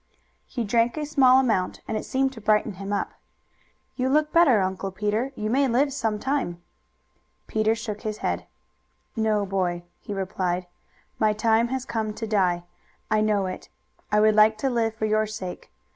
He drank a small amount, and it seemed to brighten him up. "You look better, Uncle Peter. You may live some time." Peter shook his head. "No, boy," he replied; "my time has come to die. I know it. I would like to live for your sake.